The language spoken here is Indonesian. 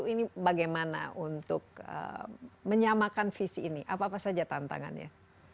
ini bagaimana untuk menyamakan visi ini apa apa saja tantangannya